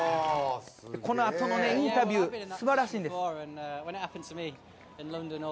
このあとのねインタビューすばらしいんです。